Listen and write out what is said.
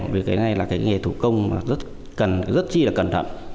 vì cái này là cái nghề thủ công rất chi là cẩn thận